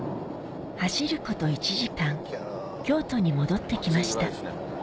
走ること１時間京都に戻ってきました